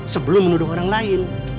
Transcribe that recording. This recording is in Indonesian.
sebelum menuduh orang lain